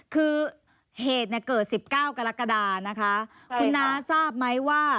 คือเหตุเนี่ยเกิด๑๙กรกฎานะคะคุณน้าทราบไหมว่า